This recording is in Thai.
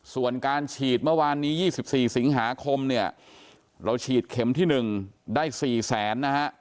ส่วนการฉีดเมื่อวานนี้๒๔สิงหาคมเนี่ยเราฉีดเข็มที่๑ได้๔แสนนะฮะ